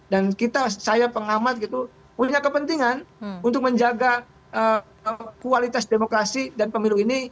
dan kita saya pengamat gitu punya kepentingan untuk menjaga kualitas demokrasi dan pemilu ini